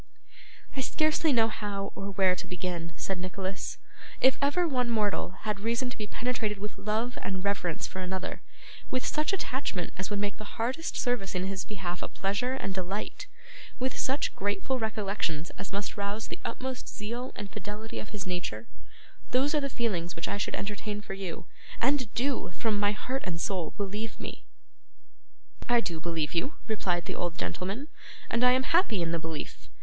'I scarcely know how, or where, to begin,' said Nicholas. 'If ever one mortal had reason to be penetrated with love and reverence for another: with such attachment as would make the hardest service in his behalf a pleasure and delight: with such grateful recollections as must rouse the utmost zeal and fidelity of his nature: those are the feelings which I should entertain for you, and do, from my heart and soul, believe me!' 'I do believe you,' replied the old gentleman, 'and I am happy in the belief.